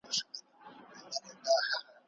بېوزلان د نړۍ تر ټولو لوستل شوی ناول دی.